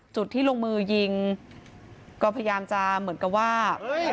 จุดที่ลงมือยิงก็พยายามจะเหมือนกับว่า